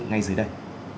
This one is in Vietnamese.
ngay dưới đây